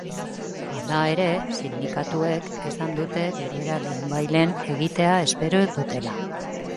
Halere, sindikatuek esan dute bilera lehenbailehen egitea espero dutela.